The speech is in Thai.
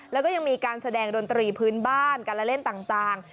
แล้วก็ยังมีการแสดงดนตรีพื้นบ้านการละเล่นต่าง